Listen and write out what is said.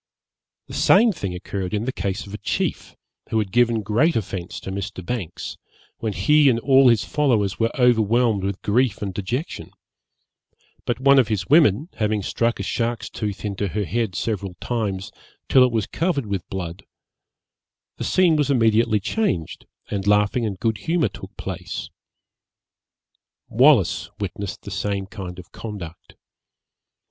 The same thing occurred in the case of a chief, who had given great offence to Mr. Banks, when he and all his followers were overwhelmed with grief and dejection; but one of his women, having struck a shark's tooth into her head several times, till it was covered with blood, the scene was immediately changed, and laughing and good humour took place. Wallis witnessed the same kind of conduct.